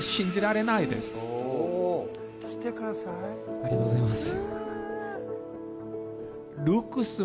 ありがとうございます。